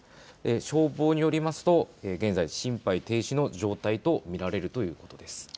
消防によりますと現在、心肺停止の状態と見られるということです。